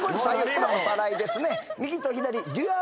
これおさらいですね。